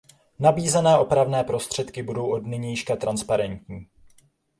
Nabízené opravné prostředky budou od nynějška transparentní.